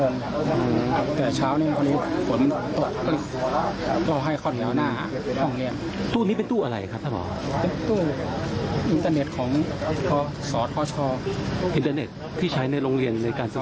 ในวันนี้จะมีผู้บริหารของกศชนะครับ